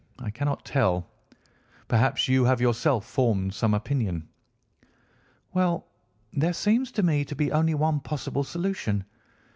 I cannot tell. Perhaps you have yourself formed some opinion?" "Well, there seems to me to be only one possible solution. Mr.